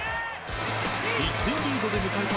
１点リードで迎えた